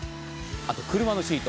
あと、車のシート。